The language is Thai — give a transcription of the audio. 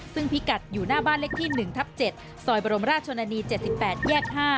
ซึ่งพิกัดอยู่หน้าบ้านเลขที่๑ทับ๗ซอยบรมราชชนนานี๗๘แยก๕